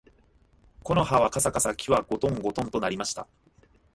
木の葉はかさかさ、木はごとんごとんと鳴りました